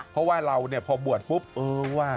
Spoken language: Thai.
เพราะว่าเราเนี่ยพอบวชปุ๊บเออว่า